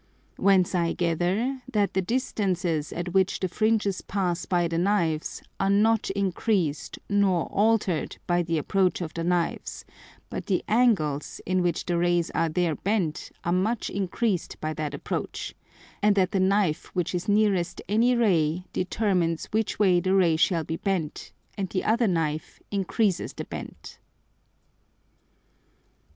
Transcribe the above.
Whence I gather that the distances at which the Fringes pass by the Knives are not increased nor alter'd by the approach of the Knives, but the Angles in which the Rays are there bent are much increased by that approach; and that the Knife which is nearest any Ray determines which way the Ray shall be bent, and the other Knife increases the bent.